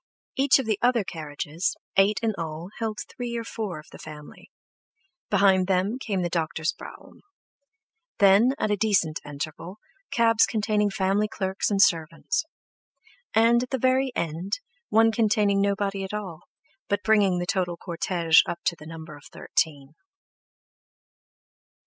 Each of the other carriages, eight in all, held three or four of the family; behind them came the doctor's brougham; then, at a decent interval, cabs containing family clerks and servants; and at the very end, one containing nobody at all, but bringing the total cortege up to the number of thirteen.